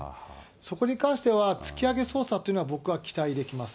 そこに関しては、つきあげ捜査というのは僕は期待できます。